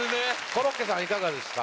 コロッケさんいかがですか？